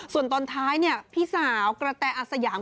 ส่วนตอนท้ายพี่สาวกระแตอาสยาม